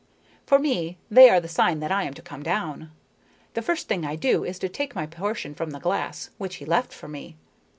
For me they are the sign that I am to come down. The first thing I do is to take my portion from the glass, which he left for me.